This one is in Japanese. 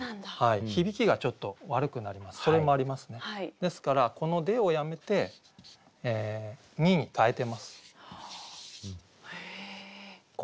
ですからこの「で」をやめて「に」に変えてます。